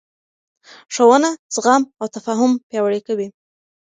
ښوونه زغم او تفاهم پیاوړی کوي